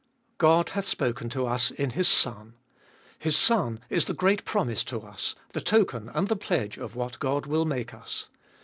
God hath spoken to us in His Son. His Son is the great promise to us, the token and the pledge of what God will make us.